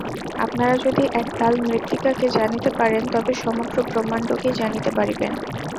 আপনারা যদি এক-তাল মৃত্তিকাকে জানিতে পারেন, তবে সমগ্র ব্রহ্মাণ্ডকেই জানিতে পারিবেন।